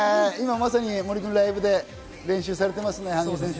今まさに森君、ライブで練習されてますね。